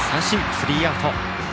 スリーアウト。